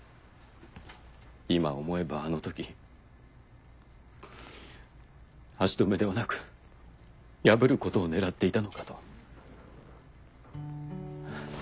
今思えばあのとき足止めではなく破ることを狙っていたのかと。